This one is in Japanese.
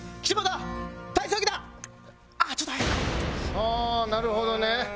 ああなるほどね。